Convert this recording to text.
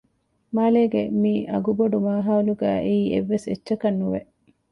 މާލޭގެ މި އަގުބޮޑު މާޚައުލުގައި އެއީ އެއްވެސް އެއްޗަކަށް ނުވެ